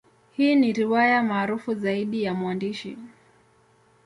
Hii ni riwaya maarufu zaidi ya mwandishi.